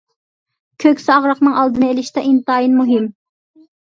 كوكسى ئاغرىقىنىڭ ئالدىنى ئېلىشتا ئىنتايىن مۇھىم.